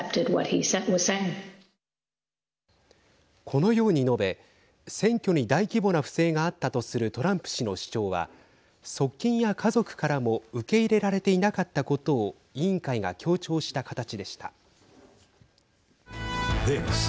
このように述べ選挙に大規模な不正があったとするトランプ氏の主張は側近や家族からも受け入れられていなかったことを委員会が強調した形でした。